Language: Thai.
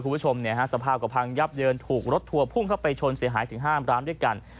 คุณผู้ชมสภาพก็พังยับเยินถูกรถทัวร์พุ่งเข้าไปชนเสียหายถึง๕ร้านด้วยกัน